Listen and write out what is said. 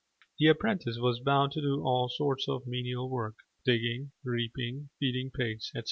The apprentice was bound to do all sorts of menial work digging, reaping, feeding pigs, etc.